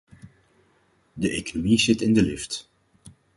De economie zit in de lift.